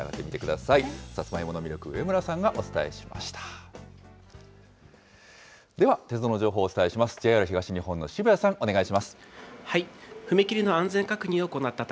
さつまいもの魅力、上村さんがお伝えしました。